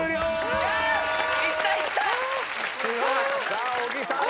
さあ小木さん